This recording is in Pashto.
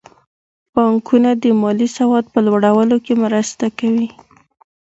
بانکونه د مالي سواد په لوړولو کې مرسته کوي.